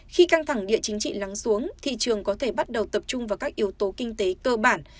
khi căng thẳng địa chính trị lắng xuống thị trường có thể bắt đầu tập trung vào các yếu tố kinh tế cơ bản